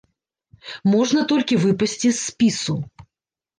Можна толькі выпасці з спісу.